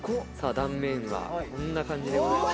断面はこんな感じでございます。